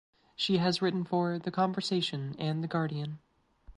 She has written for "The Conversation" and "The Guardian".